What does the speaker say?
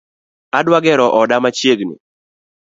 Adwa gero oda machiegni